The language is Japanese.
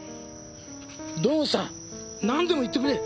堂本さん何でも言ってくれ。